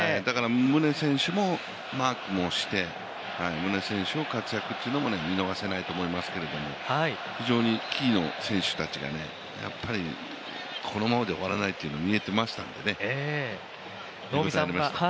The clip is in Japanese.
宗選手もマークもして、宗選手の活躍というのも見逃せないと思いますけれども非常にキーの選手たちがやっぱりこのままで終わらないというのが見えていましたのでね。